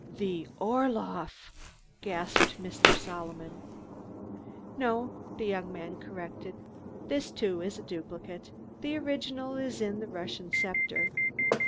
"The Orloff!" gasped Mr. Solomon. "No," the young man corrected; "this, too, is a duplicate. The original is in the Russian sceptre.